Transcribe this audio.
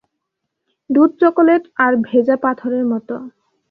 দুধ চকোলেট আর ভেজা পাথরের মতো।